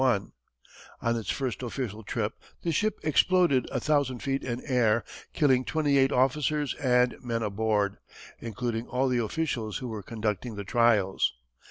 _ On its first official trip this ship exploded a thousand feet in air, killing twenty eight officers and men aboard, including all the officials who were conducting the trials.